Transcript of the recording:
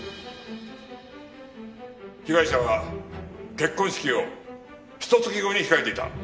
被害者は結婚式をひと月後に控えていた。